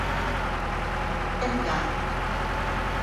一架